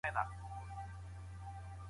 اوږدمهاله پلان تر لنډمهاله پلان خورا اغیزمن دی.